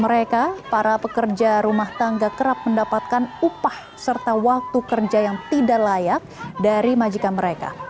mereka para pekerja rumah tangga kerap mendapatkan upah serta waktu kerja yang tidak layak dari majikan mereka